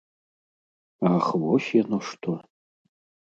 Ах, вось яно што!